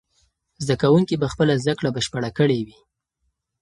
زده کوونکي به خپله زده کړه بشپړه کړې وي.